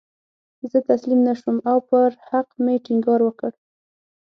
زه تسلیم نه شوم او پر حق مې ټینګار وکړ.